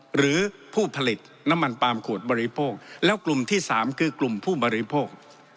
หรือผู้ผลิตน้ำมันปาล์มขวดบริโภคแล้วกลุ่มที่สามคือกลุ่มผู้บริโภค